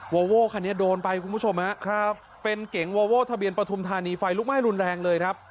โวโว้คันนี้โดนไปคุณผู้ชมฮะครับเป็นเก๋งวอโว้ทะเบียนปฐุมธานีไฟลุกไหม้รุนแรงเลยครับ